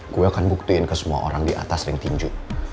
gue akan buktiin ke semua orang di atas ring tinju